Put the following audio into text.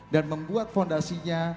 dan membuat fondasinya